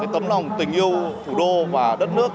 tấm lòng tình yêu thủ đô và đất nước